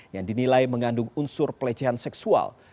yang dinilai mengandung unsur pelecehan seksual